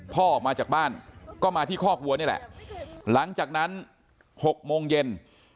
ออกมาจากบ้านก็มาที่คอกวัวนี่แหละหลังจากนั้น๖โมงเย็น